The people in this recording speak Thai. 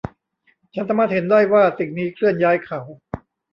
ฉันสามารถเห็นได้ว่าสิ่งนี้เคลื่อนย้ายเขา